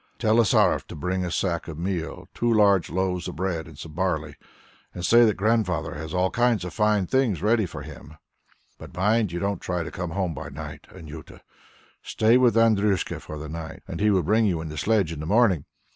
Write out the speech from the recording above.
"Tell Lasaref to bring a sack of meal, two large loaves of bread, and some barley, and say that Grandfather has all kinds of fine things ready for him. But mind you don't try to come home by night, Anjuta. Stay with Andryushka for the night, and he will bring you in the sledge in the morning.